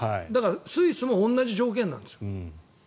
だから、いわばスイスも同じ条件なんです。